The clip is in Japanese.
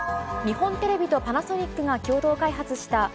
日本テレビとパナソニックが共同開発した、